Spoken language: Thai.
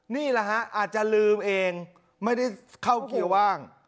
นี่แหละฮะอาจจะลืมเองไม่ได้เข้าเกียร์ว่าง